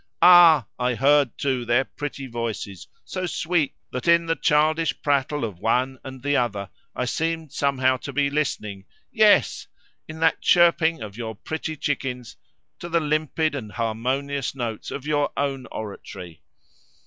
Ah! I heard too their pretty voices, so sweet that in the childish prattle of one and the other I seemed somehow to be listening—yes! in that chirping of your pretty chickens—to the limpid+ and harmonious notes of your own oratory.